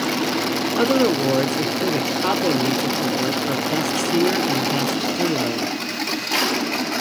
Other awards include a Cabo Music Award for best singer and best duo.